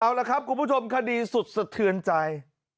เอาละครับคุณผู้ชมคดีสุดสะเทือนใจ